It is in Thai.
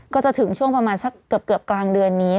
ก็จะถึงช่วงประมาณสักเกือบกลางเดือนนี้